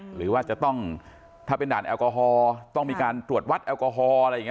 หรือว่าจะต้องถ้าเป็นด่านแอลกอฮอล์ต้องมีการตรวจวัดแอลกอฮอลอะไรอย่างนี้